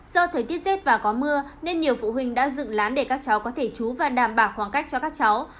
do thời tiết rét và có mưa nên nhiều phụ huynh đã dựng lán để các cháu có thể chú và đảm bảo khoảng cách cho các cháu